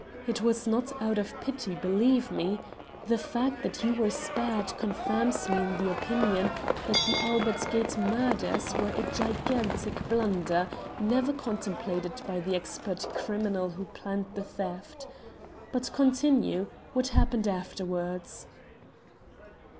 It was not out of pity, believe me. The fact that you were spared confirms me in the opinion that the Albert Gate murders were a gigantic blunder, never contemplated by the expert criminal who planned the theft. But continue. What happened afterwards?"